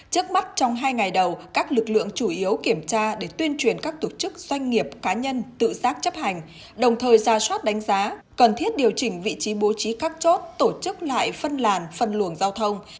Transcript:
trước mắt trong hai ngày đầu các lực lượng chủ yếu kiểm tra để tuyên truyền các tổ chức doanh nghiệp cá nhân tự giác chấp hành đồng thời ra soát đánh giá cần thiết điều chỉnh vị trí bố trí các chốt tổ chức lại phân làn phân luồng giao thông